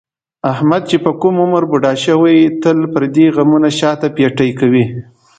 احمد چې په کوم عمر بوډا شوی، تل پردي غمونه شاته پېټی کوي.